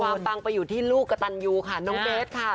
ปังไปอยู่ที่ลูกกระตันยูค่ะน้องเบสค่ะ